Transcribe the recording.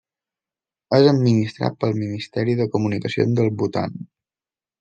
És administrat pel Ministeri de Comunicacions de Bhutan.